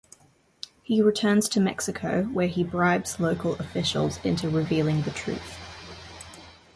He returns to Mexico, where he bribes local officials into revealing the truth.